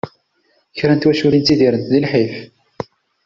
Kra n twaculin ttidirent di lḥif.